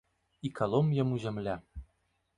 І калом яму зямля.